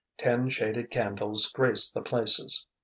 Ten shaded candles graced the places.